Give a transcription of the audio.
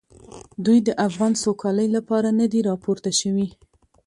دوی د افغان سوکالۍ لپاره نه دي راپورته شوي.